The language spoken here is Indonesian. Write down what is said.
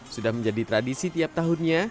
sudah menjadi tradisi tiap tahunnya